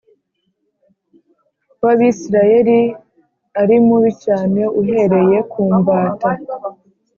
w Abisirayeli ari mubi cyane uhereye ku mbata